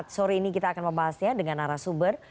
sore ini kita akan membahasnya dengan arah sumber